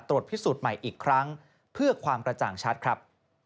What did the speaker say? ตรวจพิสูจน์ใหม่อีกครั้งเพื่อความกระจ่างชัดครับ